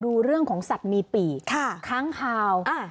ดูเรื่องของสัตว์นีปีค่ะค้างคาวเออ